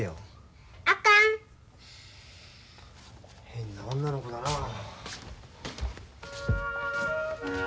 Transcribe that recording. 変な女の子だなあ。